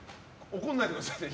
怒んないでくださいね。